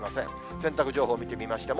洗濯情報見てみましても。